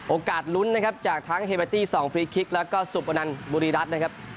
โอกาสลุ้นนะครับจากทั้งเฮเบตี้๒ฟรีคิกแล้วก็สุปนันบุรีรัตน์นะครับ